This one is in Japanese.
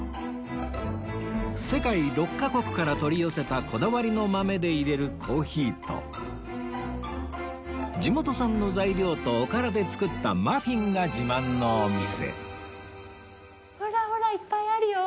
世界６カ国から取り寄せたこだわりの豆で入れるコーヒーと地元産の材料とおからで作ったマフィンが自慢のお店ほらほらいっぱいあるよ。